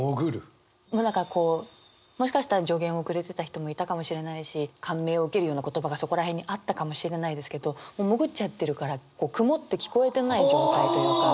何かこうもしかしたら助言をくれてた人もいたかもしれないし感銘を受けるような言葉がそこら辺にあったかもしれないですけど潜っちゃってるから曇って聞こえてない状態というか。